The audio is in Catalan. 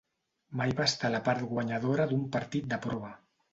Mai va estar a la part guanyadora en un partit de prova.